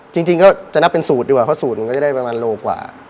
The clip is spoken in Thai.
จริงก็จะนับเป็นสูตรดีกว่าเพราะสูตรมันก็จะได้ประมาณโลกว่า